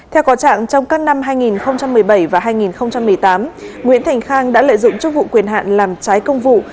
theo có trạng trong các năm hai nghìn một mươi bảy và hai nghìn một mươi tám nguyễn thành khang đã lợi dụng chức vụ quyền hạn làm trái công vụ